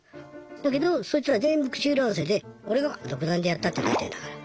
だけどそいつら全部口裏合わせで俺が独断でやったってなってんだから。